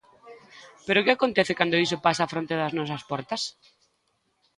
Pero que acontece cando iso pasa á fronte das nosas portas?